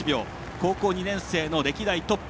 高校２年生の歴代トップ。